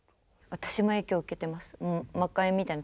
私も影響を受けてます。